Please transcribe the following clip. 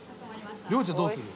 良ちゃんどうする？